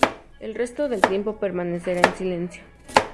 El resto del tiempo permanecerá en silencio.